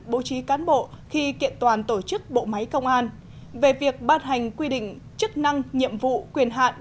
bố trí cán bộ khi kiện toàn tổ chức bộ máy công an về việc ban hành quy định chức năng nhiệm vụ quyền hạn